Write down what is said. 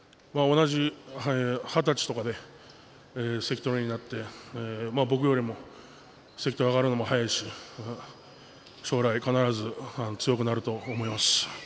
同じ二十歳とかで関取になって僕よりも関取に上がるのも早いし将来、必ず強くなると思います。